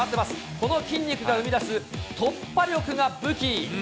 この筋肉が生み出す突破力が武器。